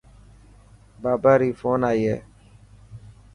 بابا ري فون آئي هي.